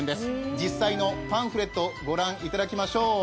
実際のパンフレットご覧いただきましょう。